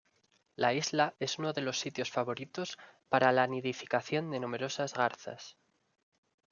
La isla es uno de los sitios favoritos para la nidificación de numerosas garzas.